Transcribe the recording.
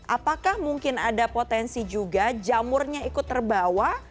apakah mungkin ada potensi juga jamurnya ikut terbawa